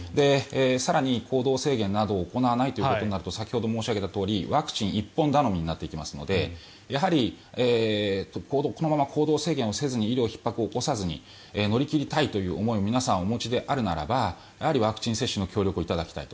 更に、行動制限などを行わないということになると先ほど申し上げたとおりワクチン一本頼みになっていくのでやはりこのまま行動制限をせずに医療ひっ迫をせずに乗り切りたいという思いを皆さんお持ちであるならばワクチン接種にご協力いただきたい。